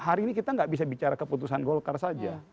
hari ini kita nggak bisa bicara keputusan golkar saja